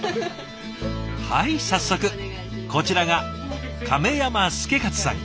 はい早速こちらが亀山祐勝さん９０歳。